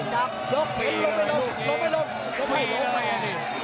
จากโลกฟินลงไม่ลงลงไม่ลง